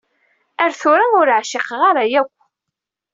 Ar tura ur ɛciqeɣ ara yakk.